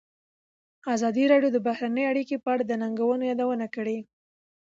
ازادي راډیو د بهرنۍ اړیکې په اړه د ننګونو یادونه کړې.